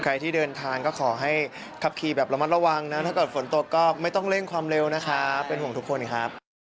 ใครที่เดินทางก็ขอให้ขับขี่แบบระมัดระวังนะถ้าเกิดฝนตกก็ไม่ต้องเร่งความเร็วนะครับเป็นห่วงทุกคนครับ